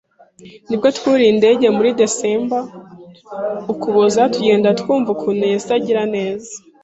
Nibwo twuriye indege muri December (ukuboza) tugenda twumva ukuntu Yesu agira neza.